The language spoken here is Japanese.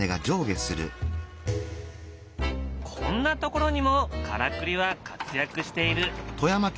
こんなところにもからくりは活躍している。